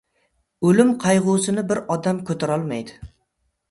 O‘lim qayg‘usini bir odam ko‘tarolmaydi.